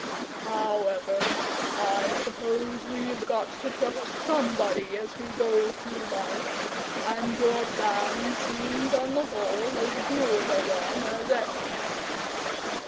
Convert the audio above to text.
However, I suppose we've got to trust somebody, as we go through life, and your plan seems, on the whole, as good a one as any."